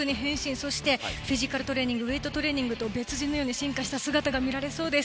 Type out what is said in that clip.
そして、フィジカルトレーニングウェートトレーニングと別人のように変化した姿が見られそうです。